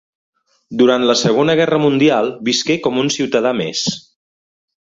Durant la Segona Guerra Mundial visqué com un ciutadà més.